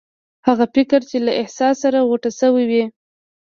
هغه فکر چې له احساس سره غوټه شوی وي.